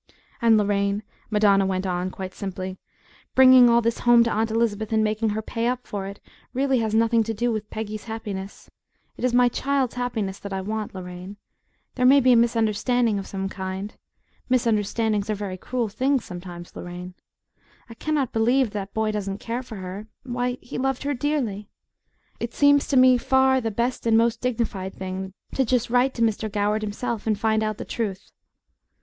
"And, Lorraine," Madonna went on, quite simply, "bringing all this home to Aunt Elizabeth and making her pay up for it really has nothing to do with Peggy's happiness. It is my child's happiness that I want, Lorraine. There may be a misunderstanding of some kind misunderstandings are very cruel things sometimes, Lorraine. I cannot believe that boy doesn't care for her why, he loved her dearly! It seems to me far the best and most dignified thing to just write to Mr. Goward himself and find out the truth."